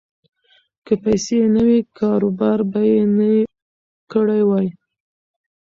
که پیسې یې نه وی، کاروبار به یې نه کړی وای.